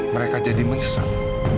mereka jadi menyesal